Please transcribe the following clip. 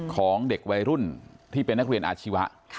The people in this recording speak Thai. ของเด็กวัยรุ่นที่เป็นนักเรียนอาชีวะ